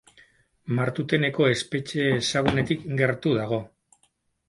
Martuteneko espetxe ezagunetik gertu dago.